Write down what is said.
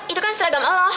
itu kan seragam elo